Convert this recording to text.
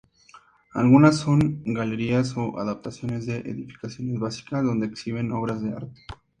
Algunas son galerías o adaptaciones de edificaciones básicas, donde -exhiben- obras de arte.